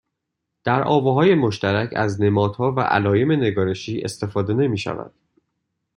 در آواهای مشترک از نمادها و علائم نگارشی استفاده نمیشود